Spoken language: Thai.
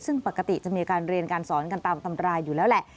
ซึ่งปกติจะมีการเรียนการสอนกันตามตำราอยู่แล้วแหละ